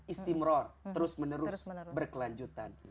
istimror terus menerus berkelanjutan